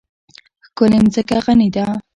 ښکلې مځکه غني ده.